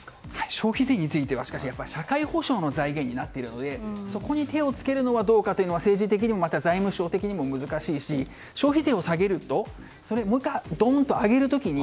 消費税については社会保障の財源になっているのでそこに手を付けるのはどうかというのは政治的にも財務省的にも難しいし、消費税を下げるとどんと上げる時に